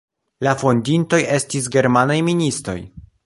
La fondintoj estis germanaj ministoj.